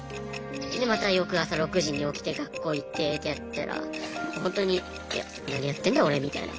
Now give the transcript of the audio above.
でまた翌朝６時に起きて学校行ってってやってたらほんとに「いや何やってんだ俺」みたいな。